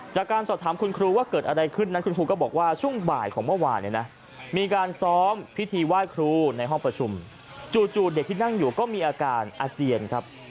จากการสอบถามคุณครูว่าเกิดอะไรขึ้นนั้นคุณครูก็บอกว่าช่วงบ่ายของเมื่อวานเนี่ยนะมีการซ้อมพิธีไหว้ครูในห้องประชุมจู่เด็กที่นั่งอยู่ก็มีอาการอาเจียนครับ